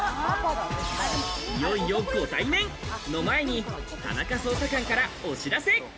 いよいよご対面の前に田中捜査官からお知らせ。